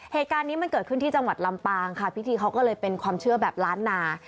เหตุการณ์นี้มันเกิดขึ้นที่จังหวัดลำปางค่ะพิธีเขาก็เลยเป็นความเชื่อแบบล้านนา